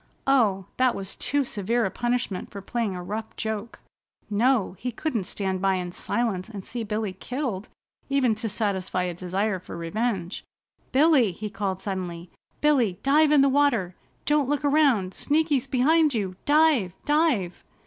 Oh, that was too severe a punishment for playing a rough joke! No, he couldn't stand by in silence and see Billy killed even to satisfy a desire for revenge. "Billy!" he called suddenly. "Billy, dive in the water! Don't look around! Sneaky's behind you! Dive! Dive!"